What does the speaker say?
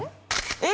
えっ？